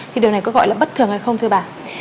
thì điều này có gọi là bất thường hay không thưa bà